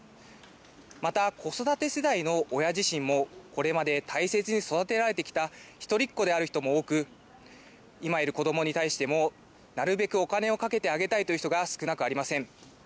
また、子育て世代の親自身も、これまで大切に育てられてきた一人っ子である人も多く、今いる子どもに対しても、なるべくお金をかけてあげたいという人が少なくありません。